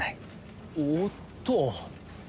おっと？